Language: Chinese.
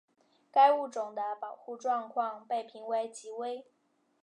该物种的保护状况被评为极危。